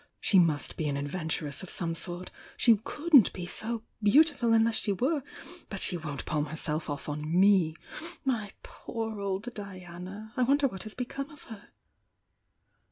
She must be an adventuress of some sort! She couldn't be so beautiful unless she were. But she won't palm herself off on me! My poor old Diana! I wonder what has become of her!"